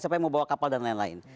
siapa yang mau bawa kapal dan lain lain